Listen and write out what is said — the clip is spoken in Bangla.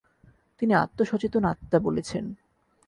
তিনি আত্মসচেতন আত্মা বলেছেন।